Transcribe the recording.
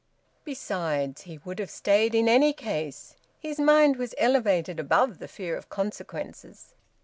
Besides, he would have stayed in any case. His mind was elevated above the fear of consequences.